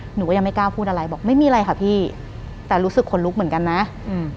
หนูก็ยังไม่กล้าพูดอะไรบอกไม่มีอะไรค่ะพี่แต่รู้สึกขนลุกเหมือนกันนะอืม